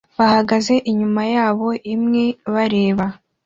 bahagaze inyuma yabo imwe bareba